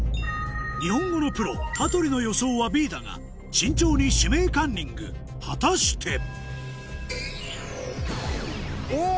日本語のプロ羽鳥の予想はＢだが慎重に「指名カンニング」果たして⁉おっ！